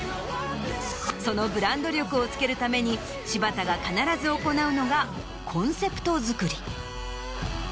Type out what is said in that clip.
そのブランド力をつけるために柴田が必ず行うのがコンセプト作り。